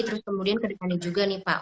terus kemudian kedegande juga nih pak